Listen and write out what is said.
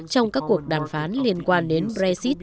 trong các cuộc đàm phán liên quan đến brexit